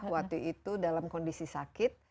waktu itu dalam kondisi sakit